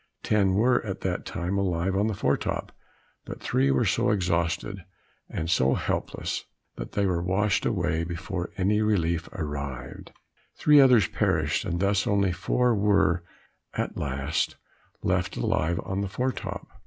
Ten were at that time, alive on the fore top, but three were so exhausted, and so helpless, that they were washed away before any relief arrived; three others perished, and thus only four were, at last, left alive on the fore top.